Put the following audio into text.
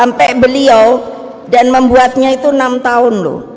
sampai beliau dan membuatnya itu enam tahun loh